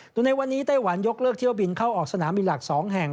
ตอนนี้วันนี้ไต้หวันยกเลิกเที่ยวบินเข้าออกสนามิลักษณ์๒แห่ง